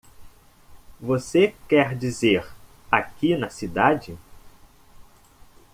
Você quer dizer aqui na cidade?